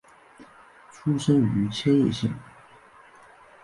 出身于千叶县。